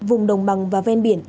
vùng đồng bằng và ven biển